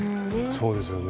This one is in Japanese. そうですね。